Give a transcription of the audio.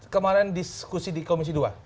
kemarin diskusi di komisi dua